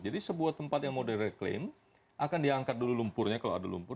jadi sebuah tempat yang mau direklaim akan diangkat dulu lumpurnya kalau ada lumpur